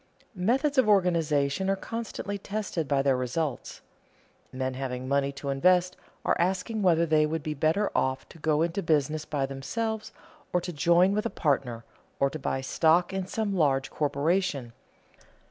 Methods of organization are constantly tested by their results. Men having money to invest are asking whether they would be better off to go into business by themselves, or to join with a partner, or to buy stock in some large corporation.